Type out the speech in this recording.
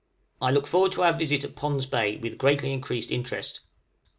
I look forward to our visit at Pond's Bay with greatly increased interest.